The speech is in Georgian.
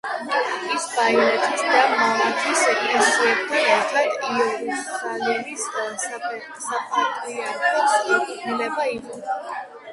ის ბაილეთის და მამათის ეკლესიებთან ერთად იერუსალიმის საპატრიარქოს კუთვნილება იყო.